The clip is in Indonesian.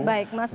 baik mas ferd